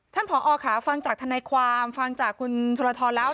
ผอค่ะฟังจากทนายความฟังจากคุณสุรทรแล้ว